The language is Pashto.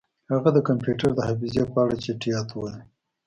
هغه د کمپیوټر د حافظې په اړه چټیات ویل